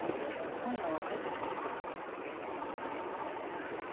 今夜は帰ってきていいから。